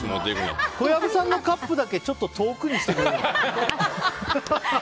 小籔さんのカップだけちょっと遠くにしてください。